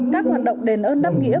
các hoạt động đền ơn đắc nghĩa